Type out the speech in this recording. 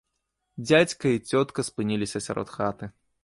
Дзядзька і цётка спыніліся сярод хаты.